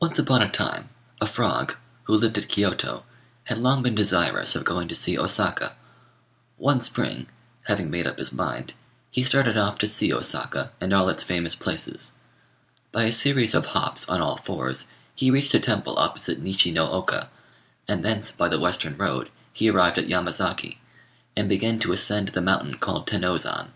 Once upon a time, a frog, who lived at Kiôto, had long been desirous of going to see Osaka. One spring, having made up his mind, he started off to see Osaka and all its famous places. By a series of hops on all fours he reached a temple opposite Nishi no oka, and thence by the western road he arrived at Yamazaki, and began to ascend the mountain called Tenôzan.